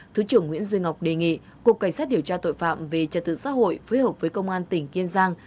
thứ trưởng nguyễn duy ngọc đề nghị cục cảnh sát điều tra tội phạm về trật tự xã hội phối hợp với công an tỉnh kiên giang